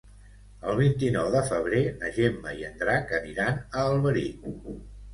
El vint-i-nou de febrer na Gemma i en Drac aniran a Alberic.